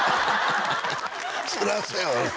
そりゃそうやろ